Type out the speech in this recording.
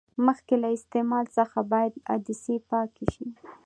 مخکې له استعمال څخه باید عدسې پاکې شي.